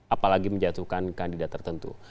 apalagi menjatuhkan kandidat tertentu